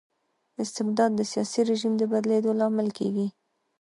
استبداد د سياسي رژيم د بدلیدو لامل کيږي.